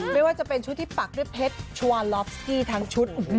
ไม่ว่าจะเป็นชุดที่ปักด้วยเพชรชวาลอฟสกี้ทั้งชุด